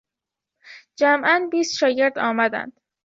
جمعا بیست شاگرد آمدند.